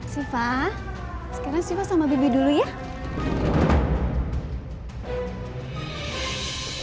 syifa sekarang syifa sama bibi dulu ya